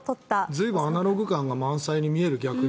随分、アナログ感が満載に見える。